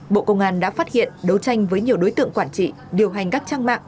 bộ công an đã phát hiện đấu tranh với nhiều đối tượng quản trị điều hành các trang mạng